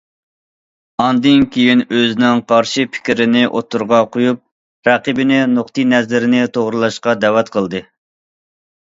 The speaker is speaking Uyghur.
ئاندىن كېيىن ئۆزىنىڭ قارشى پىكرىنى ئوتتۇرىغا قويۇپ، رەقىبىنى نۇقتىئىنەزىرىنى توغرىلاشقا دەۋەت قىلاتتى.